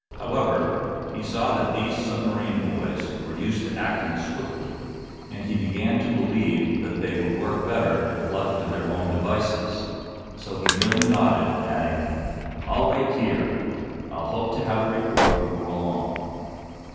However, he saw that these submarine boys were used to acting swiftly, and he began to believe that they would work better if left to their own devices. So he merely nodded, adding: "I'll wait here. I'll hope to have a report before long."